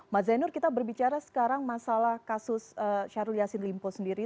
mas zainur kita berbicara sekarang masalah kasus syahrul yassin limpo sendiri